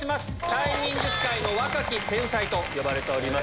催眠術界の若き天才と呼ばれております